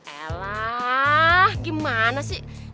elah gimana sih